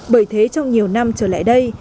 bởi thế trong nhiều năm trở lại đây